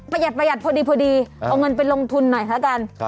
ประหยัดพอดีเอาเงินไปลงทุนหน่อยละกัน